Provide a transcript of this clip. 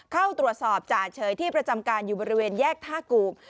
เข้าตรวจสอบจ่าเฉยที่ประจำการอยู่บริเวณแยกท่ากูบ